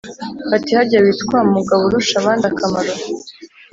ati:"harya witwa mugaburushabandakamaro?